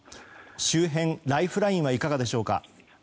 周辺のライフラインはいかがでしょうか。